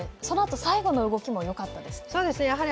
そのあと最後の動きもよかったですね。